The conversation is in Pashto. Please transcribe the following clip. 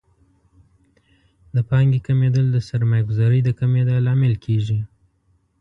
د پانګې کمیدل د سرمایه ګذارۍ د کمیدا لامل کیږي.